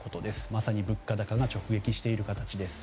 まさに物価高が直撃している形です。